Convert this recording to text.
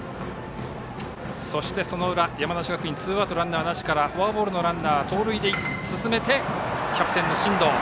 そしてその裏、山梨学院ツーアウトランナーなしからフォアボールのランナーを盗塁で進めてキャプテンの進藤。